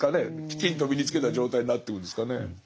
きちんと身につけた状態になってくんですかね。